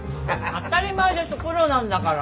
当たり前でしょプロなんだから。